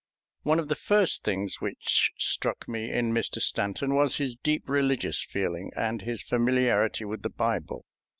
One of the first things which struck me in Mr. Stanton was his deep religious feeling and his familiarity with the Bible.